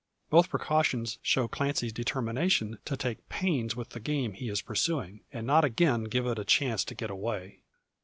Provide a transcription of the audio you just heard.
Both precautions show Clancy's determination to take pains with the game he is pursuing, and not again give it a chance to get away.